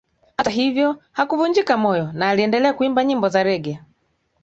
Hata hivyo hakuvunjika moyo na aliendelea kuimba nyimbo za rege